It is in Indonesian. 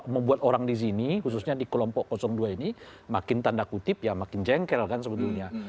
membuat orang di sini khususnya di kelompok dua ini makin tanda kutip ya makin jengkel kan sebetulnya